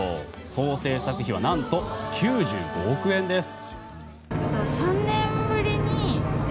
総製作費は何と９５億円です。